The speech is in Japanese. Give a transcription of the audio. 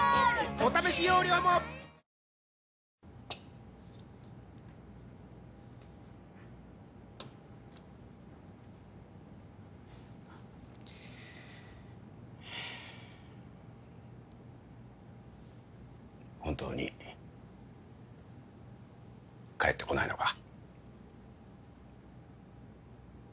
お試し容量もはあ本当に帰ってこないのか？